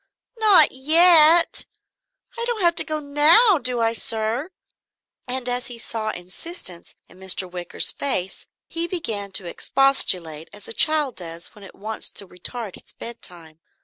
"Not yet? I don't have to go now, do I, sir?" And as he saw insistence in Mr. Wicker's face he began to expostulate as a child does when it wants to retard its bedtime.